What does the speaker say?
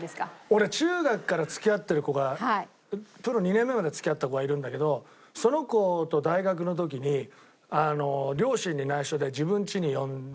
俺中学から付き合ってる子がプロ２年目まで付き合った子がいるんだけどその子と大学の時に両親に内緒で自分ちに呼んで。